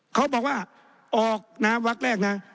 เขาบอกว่าออกน้ำวักแรกนะ